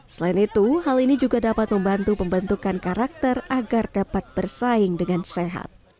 selain itu hal ini juga dapat membantu pembentukan karakter agar dapat bersaing dengan sehat